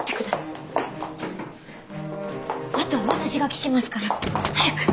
あとは私が聞きますから。早く！